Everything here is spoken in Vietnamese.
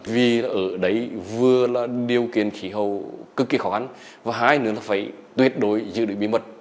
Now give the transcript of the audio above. vì ở đấy vừa là điều kiện khí hậu cực kỳ khó khăn và hai nữa là phải tuyệt đối giữ được bí mật